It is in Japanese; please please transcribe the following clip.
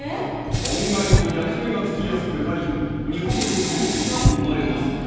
こんがりと焼き目がつきやすくなり煮込むととろみが生まれますぞ